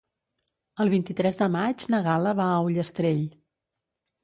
El vint-i-tres de maig na Gal·la va a Ullastrell.